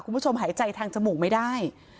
คุณผู้ชมหายใจทางจมูกไม่ได้